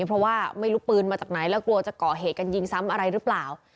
เพราะว่าไม่รู้ปืนมาจากไหนแล้วกลัวจะก่อเหตุกันยิงซ้ำอะไรหรือเปล่า